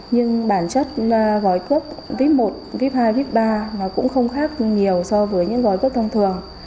nhưng bản chất gói cước vip một clip hai vip ba nó cũng không khác nhiều so với những gói cước thông thường